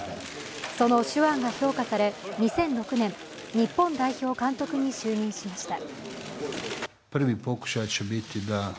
その手腕が評価され２００６年日本代表監督に就任しました。